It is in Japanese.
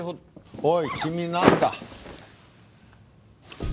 おい君なんだ？